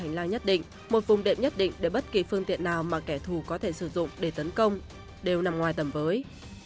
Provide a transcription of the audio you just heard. hành lang nhất định một vùng đệm nhất định để bất kỳ phương tiện nào mà kẻ thù có thể sử dụng để tấn công đều nằm ngoài tầm với